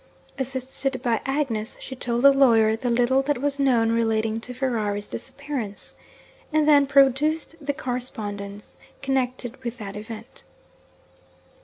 Assisted by Agnes, she told the lawyer the little that was known relating to Ferrari's disappearance, and then produced the correspondence connected with that event.